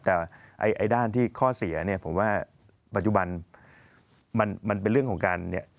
แต่ไอ้ด้านที่ข้อเสียเนี่ยผมว่าปัจจุบันมันเป็นเรื่องของการเนี่ย